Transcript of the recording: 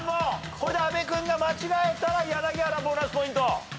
これで阿部君が間違えたら柳原ボーナスポイント。